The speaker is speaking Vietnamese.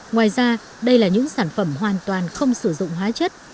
ngoài ra đây là những sản phẩm hoàn toàn không sử dụng hóa chất